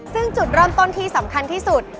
ซึ่งจุดเริ่มต้นที่สำคัญที่สุด